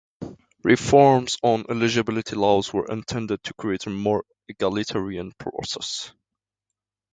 Reforms on eligibility laws were intended to create a more egalitarian process.